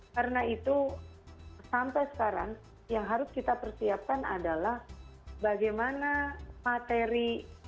karena itu sampai sekarang yang harus kita persiapkan adalah bagaimana materi